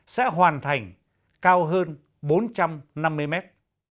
sẽ hoàn thành cao hơn bốn trăm năm mươi mét